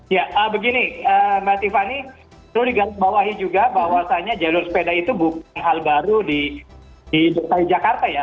ya begini mbak tiffany itu digantung bawahi juga bahwasannya jalur sepeda itu bukan hal baru di jakarta ya